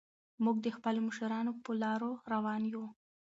موږ د خپلو مشرانو په لارو روان یو.